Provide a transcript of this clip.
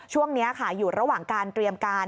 ช่วงนี้ค่ะอยู่ระหว่างการเตรียมการ